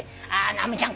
「直美ちゃん